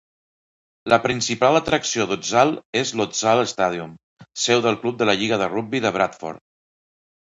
La principal atracció d'Odsal és l'Odsal Stadium, seu del club de la lliga de rugbi de Bradford.